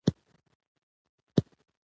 انګریزان د ایوب خان په هوښیاري نه پوهېدل.